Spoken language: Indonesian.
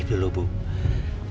kita harus terus selalu berhati hati